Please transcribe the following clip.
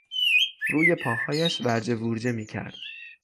روی پاهایش ورجه وورجه میکرد.